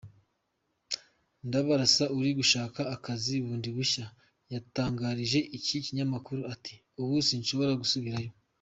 Ndabarasa uri gushaka akazi bundi bushya, yatangarije iki kinyamakuru ati “ubu sinshobora gusubirayo.